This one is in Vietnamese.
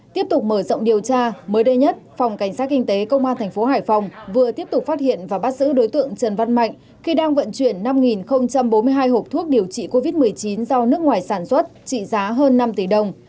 tiếp tục mở rộng điều tra mới đây nhất phòng cảnh sát kinh tế công an thành phố hải phòng vừa tiếp tục phát hiện và bắt giữ đối tượng trần văn mạnh khi đang vận chuyển năm bốn mươi hai hộp thuốc điều trị covid một mươi chín do nước ngoài sản xuất trị giá hơn năm tỷ đồng